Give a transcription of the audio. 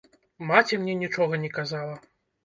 Маці мне нічога не казала.